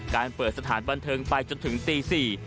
เปิดสถานบันเทิงไปจนถึงตี๔